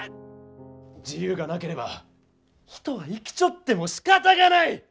自由がなければ人は生きちょってもしかたがない！